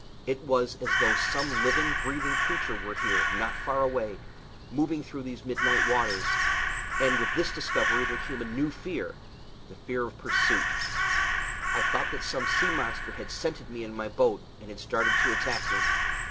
It was as though some living, breathing creature were here, not far away, moving through these midnight waters; and with this discovery there came a new fear the fear of pursuit. I thought that some sea monster had scented me in my boat, and had started to attack me.